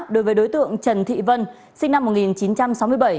đối với đối tượng trần thị vân sinh năm một nghìn chín trăm sáu mươi bảy